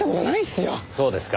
そうですか。